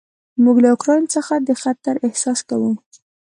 موږ له اوکراین څخه د خطر احساس کوو.